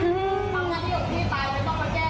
เฮ้ยมันแบบน่ากลัวมากเลย